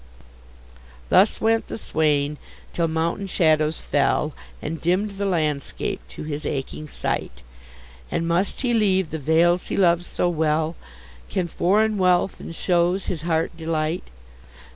Thus went the swain, till mountain shadows fell, And dimm'd the landscape to his aching sight; And must he leave the vales he loves so well! Can foreign wealth, and shows, his heart delight?